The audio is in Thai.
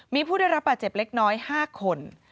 มีผู้ได้รับบาดเจ็บเล็กน้อย๕คน